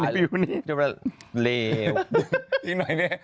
ไม่มีจรขับหูไว้